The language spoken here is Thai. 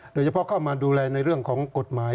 โดยเฉพาะเข้ามาดูแลในเรื่องของกฎหมาย